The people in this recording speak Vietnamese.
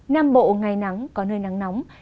nam bộ ngày nắng có nơi nắng nóng